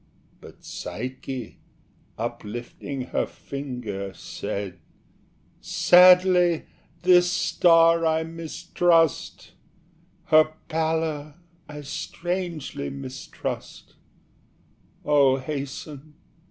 But Psyche, uplifting her finger, Said "Sadly this star I mistrust Her pallor I strangely mistrust: Oh, hasten!